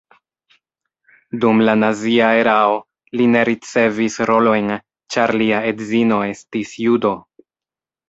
Dum la nazia erao li ne ricevis rolojn, ĉar lia edzino estis judo.